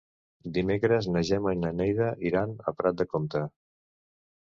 Dimecres na Gemma i na Neida iran a Prat de Comte.